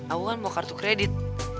aku kan mau kartu kredit